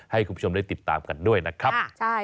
ให้คุณผู้ชมได้ติดตามกันด้วยนะครับ